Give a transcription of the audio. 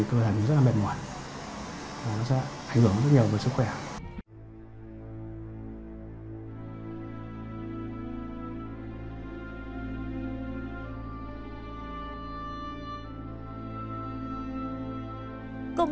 cả những người mà dõi theo tôi